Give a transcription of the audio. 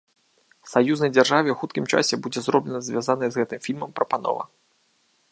Саюзнай дзяржаве ў хуткім часе будзе зроблена звязаная з гэтым фільмам прапанова.